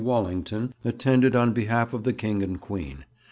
Wallington attended on behalf of the King and Queen.